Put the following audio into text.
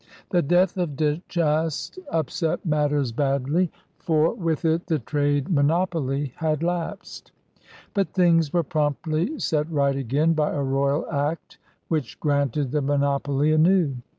The death of De Chastes upset matters badly. THE FOUNDING OP NEW FRANCE 35 for with it the trade monopoly had lapsed. But things were promptly set right again by a royal act which granted the monopoly anew.